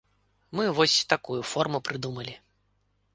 Мы вось такую форму прыдумалі.